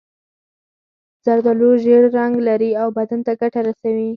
زردالو ژېړ رنګ لري او بدن ته ګټه رسوي.